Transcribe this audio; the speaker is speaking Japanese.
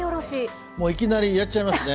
もういきなりやっちゃいますね。